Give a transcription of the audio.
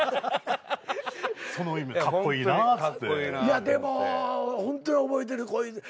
いやでもホントに覚えてる。